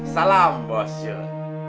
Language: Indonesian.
salam bos jun